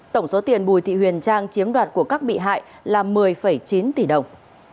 tổng số tiền bùi thị huyền trang chiếm đoạt của các bị hại là một mươi chín tỷ đồng